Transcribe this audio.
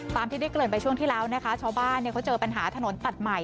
ที่ได้เกริ่นไปช่วงที่แล้วนะคะชาวบ้านเขาเจอปัญหาถนนตัดใหม่